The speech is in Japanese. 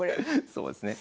そうですね。